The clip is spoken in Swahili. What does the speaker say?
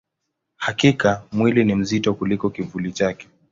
Hakika, mwili ni mzito kuliko kivuli chake.